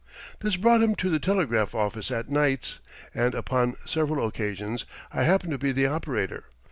This brought him to the telegraph office at nights, and upon several occasions I happened to be the operator.